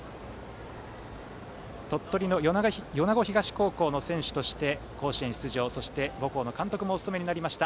鳥取の米子東高校の選手として甲子園出場、そして母校の監督もお務めになりました